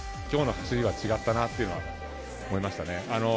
きょうの走りは違ったなっていうのは思いましたね。